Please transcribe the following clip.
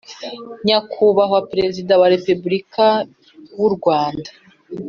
nyakubahwa perezida wa repubulika wu rwanda